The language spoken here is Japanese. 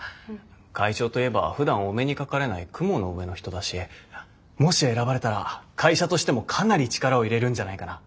会長といえばふだんお目にかかれない雲の上の人だしもし選ばれたら会社としてもかなり力を入れるんじゃないかな。